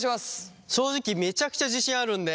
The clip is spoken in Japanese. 正直めちゃくちゃ自信あるんで。